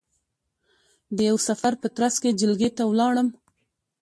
د یوه سفر په ترځ کې جلگې ته ولاړم،